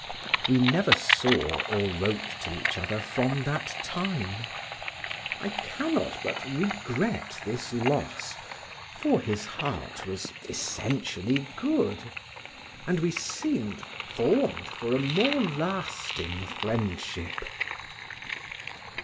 We never saw or wrote to each other from that time; I cannot but regret this loss, for his heart was essentially good, and we seemed formed for a more lasting friendship.